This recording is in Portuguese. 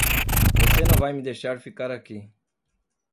Você não vai me deixar ficar aqui.